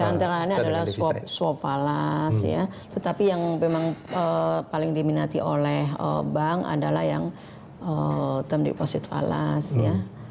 ya antara lainnya adalah swap fallacy ya tetapi yang memang paling diminati oleh bank adalah yang term deposit fallacy ya